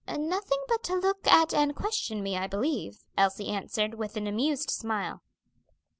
"Nothing but to look at and question me, I believe." Elsie answered, with an amused smile.